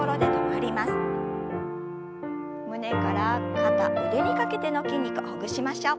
胸から肩腕にかけての筋肉ほぐしましょう。